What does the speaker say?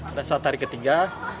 pada saat hari ketiga